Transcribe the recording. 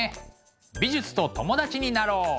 美術と友達になろう！